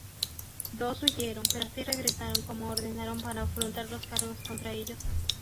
Dos huyeron, pero seis regresaron como ordenaron para afrontar los cargos contra ellos.